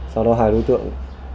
sau đó hai đối tượng